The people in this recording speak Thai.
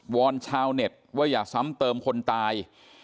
อนชาวเน็ตว่าอย่าซ้ำเติมคนตาย